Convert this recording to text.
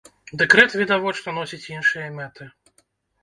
Дэкрэт, відавочна, носіць іншыя мэты.